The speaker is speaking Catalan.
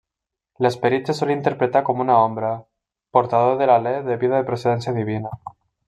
L'esperit se solia interpretar com una ombra, portador de l'alè de vida de procedència divina.